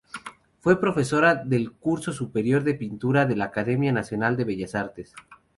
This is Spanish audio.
Fue Profesora del Curso Superior de Pintura de la Academia Nacional de Bellas Artes.